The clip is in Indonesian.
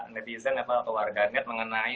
netizen atau warganet mengenai